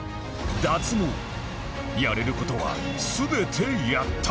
脱毛やれる事は全てやった